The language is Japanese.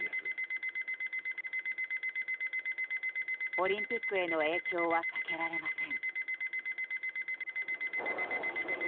オリンピックへの影響は避けられません。